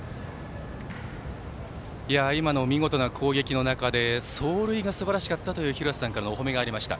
今の見事な攻撃の中で走塁がすばらしかったという廣瀬さんからのお褒めの言葉がありました。